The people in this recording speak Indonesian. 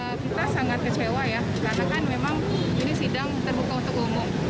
ya kita sangat kecewa ya karena kan memang ini sidang terbuka untuk umum